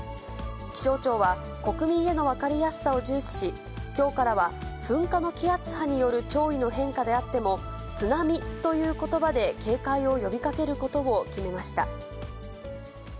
気象庁は国民への分かりやすさを重視し、きょうからは噴火の気圧波による潮位の変化であっても、津波ということばで警戒を呼びかけることを決めました。